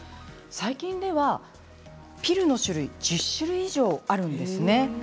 最近では、ピルの種類は１０種類以上あるんですね。